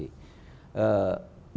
tidak ada sama sekali